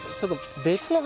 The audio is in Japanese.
別の。